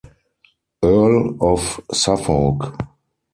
Earl of Suffolk.